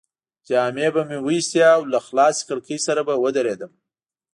جامې به مې وایستې او له خلاصې کړکۍ سره به ودرېدم.